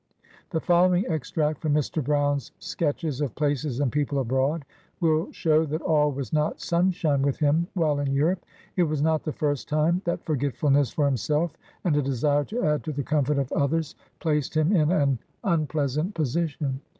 The following extract from Mr. Brown's " Sketches of Places and People Abroad, " will show that all was not sunshine with him while in Europe. It was not the first time that forgetfulness for himself, and a desire to add to the comfort of others, placed him in an un pleasant position.